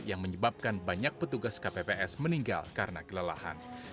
yang menyebabkan banyak petugas kpps meninggal karena kelelahan